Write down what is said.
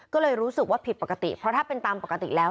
ก็เลยรู้สึกว่าผิดปกติเพราะถ้าเป็นตามปกติแล้ว